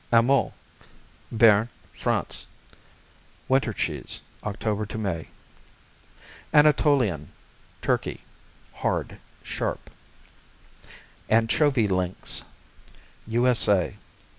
Amou Béarn, France Winter cheese, October to May. Anatolian Turkey Hard; sharp. Anchovy Links _U.S.A.